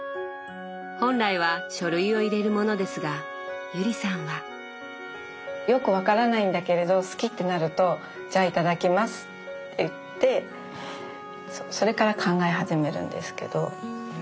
本来は書類を入れる物ですが友里さんは。よく分からないんだけれど好きってなると「じゃあいただきます」って言ってそれから考え始めるんですけど。